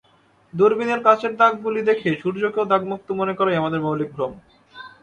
দূরবীনের কাচের দাগগুলি দেখে সূর্যকেও দাগমুক্ত মনে করাই আমাদের মৌলিক ভ্রম।